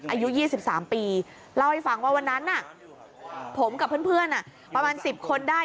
อายุ๒๓ปีเล่าให้ฟังว่าวันนั้นผมกับเพื่อนประมาณ๑๐คนได้